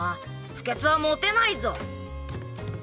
不潔はモテないぞ！